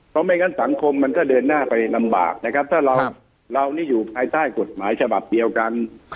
เพราะไม่งั้นสังคมมันก็เดินหน้าไปลำบากนะครับถ้าเรานี่อยู่ภายใต้กฎหมายฉบับเดียวกัน